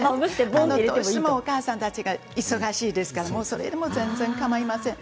どうしてもお母さんたち忙しいですからそれでも全然、構いません。